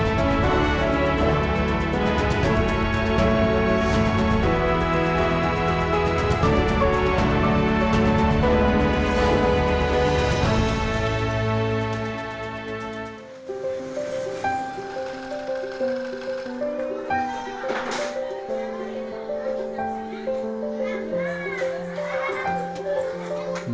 kita bisa membelanjac avaient